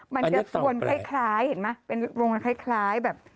มันจะส่วนคล้ายคล้ายเห็นไหมเป็นวงคล้ายคล้ายแบบ